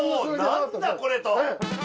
何だこれと。